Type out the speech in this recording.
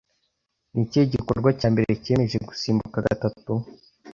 nikihe gikorwa cyambere cyemeje Gusimbuka gatatu